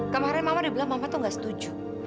kemarin mama udah bilang mama tuh gak setuju